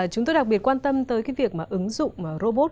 chúng tôi đặc biệt quan tâm tới cái việc mà ứng dụng robot